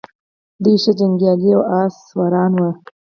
دوی ښه جنګیالي او آس سواران وو